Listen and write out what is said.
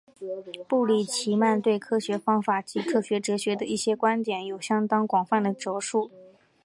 布里奇曼对科学方法及科学哲学的一些观点有相当广泛的着述。